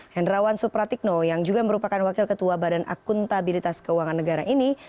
hendrawan supratikno yang juga merupakan wakil ketua badan akuntabilitas keuangan negara ini